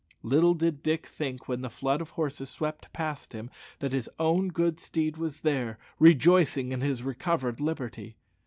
Little did Dick think, when the flood of horses swept past him, that his own good steed was there, rejoicing in his recovered liberty.